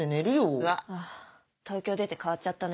うわ東京出て変わっちゃったね。